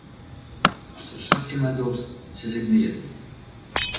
Asto sa tsjin my dochst, sis ik neat mear.